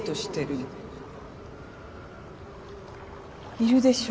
いるでしょ？